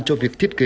cho việc thiết kế